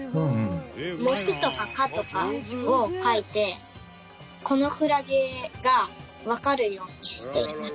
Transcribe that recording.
「目」とか「科」とかを書いてこのクラゲがわかるようにしています。